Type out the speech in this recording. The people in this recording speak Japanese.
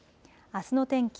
あすの天気。